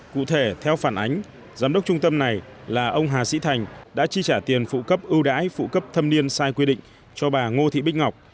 cụ thể theo phản ánh giám đốc trung tâm này là ông hà sĩ thành đã chi trả tiền phụ cấp ưu đãi phụ cấp thâm niên sai quy định cho bà ngô thị bích ngọc